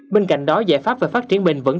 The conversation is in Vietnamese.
bên cạnh đó giải pháp về phát triển bền vững